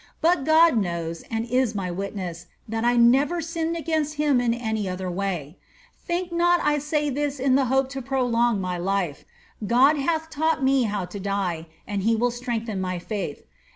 But God knows, and is my witness, that I never sinned against him in any other way. Tliink not I say this in the hope to prolong my life. God hath taught me how to die, and he will strengthen my faith.